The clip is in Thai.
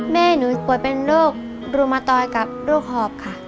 แม่หนูป่วยเป็นโรครุมตอยกับโรคหอบค่ะ